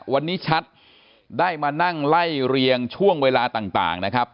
วันนี้ชัดได้มานั่งไล่เรียงช่วงเวลาต่างนะครับ